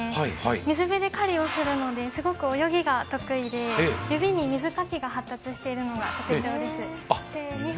水辺で狩りをするのですごく泳ぎが得意で指に水かきが発達しているのが特徴です。